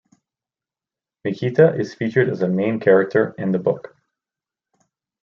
Mikita is featured as a main character in the book.